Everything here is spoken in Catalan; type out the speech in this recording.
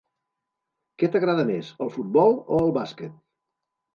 Què t'agrada més, el futbol o el bàsquet?